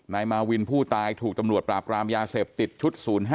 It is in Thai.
นายมาวินผู้ตายถูกตำรวจปราบรามยาเสพติดชุด๐๕